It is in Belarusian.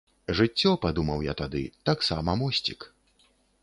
Жыццё, падумаў я тады, таксама мосцік.